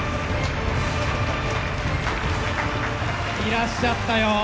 いらっしゃったよ